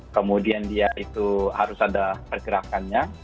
kemudian dia itu harus ada pergerakannya